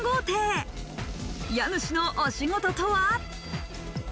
家主のお仕事とは？